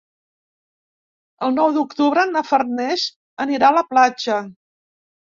El nou d'octubre na Farners anirà a la platja.